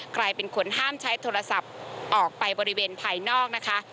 ใครเป็นคนห้ามใช้โทรศัพท์ออกไปบริเวณภายนอกนะคะ